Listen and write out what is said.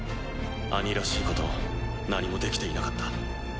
兄らしいこと何もできていなかった。